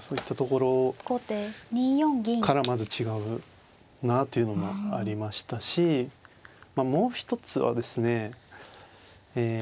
そういったところからまず違うなというのもありましたしもう一つはですねえ